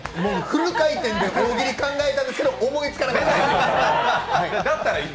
フル回転で大喜利考えたんですけど、思いつかなかった。